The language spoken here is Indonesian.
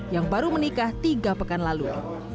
yang baru menikah tiga pekan lalu